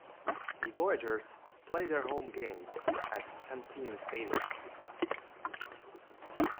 The Voyagers play their home games at Centene Stadium.